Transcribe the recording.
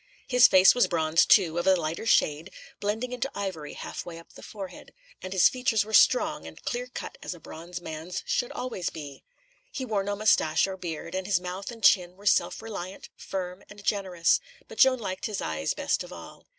His face was bronze, too, of a lighter shade, blending into ivory half way up the forehead, and his features were strong and clear cut as a bronze man's should always be. He wore no moustache or beard, and his mouth and chin were self reliant, firm, and generous, but Joan liked his eyes best of all.